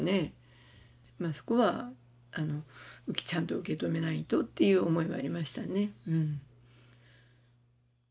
そこはちゃんと受け止めないとっていう思いはありましたねうん。